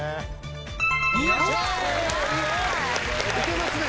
いけますね。